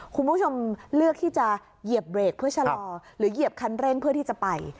คุณผู้ชมเลือกที่จะเหยียบเบรกเพื่อชะลอหรือเหยียบคันเร่งเพื่อที่จะไป